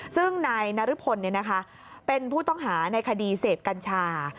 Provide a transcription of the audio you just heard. ซึ่งนายนรพลเป็นผู้ต้องหาในคดีเสพกัญชา